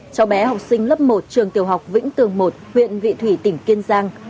cho bé học sinh lớp một trường tiểu học vĩnh tường một huyện vị thủy tỉnh kiên giang